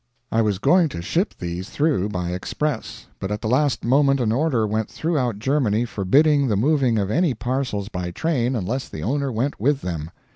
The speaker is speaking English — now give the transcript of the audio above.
I was going to ship these through by express; but at the last moment an order went throughout Germany forbidding the moving of any parcels by train unless the owner went with them.